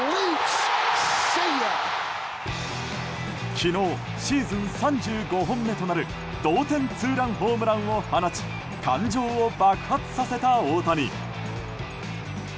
昨日、シーズン３５本目となる同点ツーランホームランを放ち感情を爆発させた大谷。